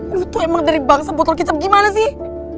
lo tuh emang dari bangsa potol kecap gimana sih